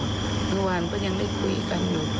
เมื่อวานก็ยังได้คุยกันอยู่